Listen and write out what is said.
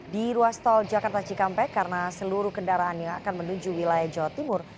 di ruas tol jakarta cikampek karena seluruh kendaraan yang akan menuju wilayah jawa timur